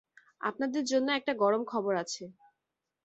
আপনাদের জন্য একটা গরম খবর আছে।